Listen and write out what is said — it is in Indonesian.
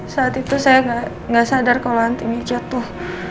saat itu saya gak sadar kalau antingnya jatuh